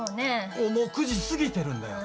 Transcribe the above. もう９時過ぎてるんだよ。